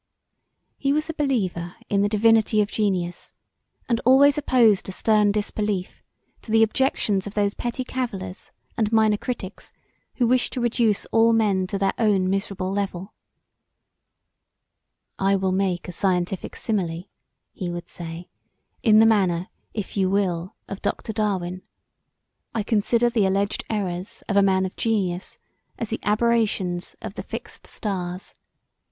He was a believer in the divinity of genius and always opposed a stern disbelief to the objections of those petty cavillers and minor critics who wish to reduce all men to their own miserable level "I will make a scientific simile" he would say, "[i]n the manner, if you will, of Dr. Darwin I consider the alledged errors of a man of genius as the aberrations of the fixed stars.